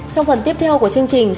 trong phần tiếp theo của chương trình